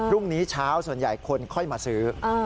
รุ่งนี้เช้าส่วนใหญ่คนค่อยมาซื้อ